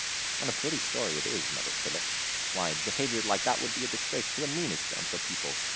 "And a pretty story it is," muttered Philip; "why, behavior like that would be a disgrace to the meanest of the people.